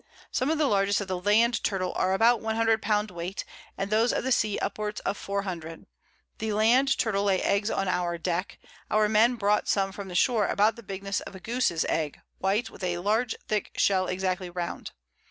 Some of the largest of the Land Turtle are about 100 Pound Weight, and those of the Sea upwards of 400: The Land Turtle lay Eggs on our Deck; our Men brought some from the Shore about the bigness of a Goose's Egg, white, with a large thick Shell exactly round.